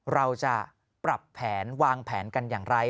เราจะปรับแผนวางแผนกันอย่างไร